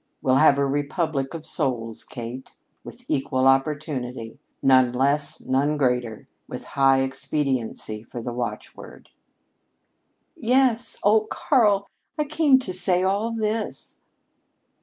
We'll have a Republic of Souls, Kate, with equal opportunity none less, none greater with high expediency for the watchword." "Yes. Oh, Karl, I came to say all this!"